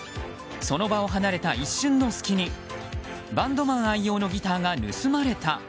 その場を離れた一瞬の隙にバンドマン愛用のギターが盗まれた。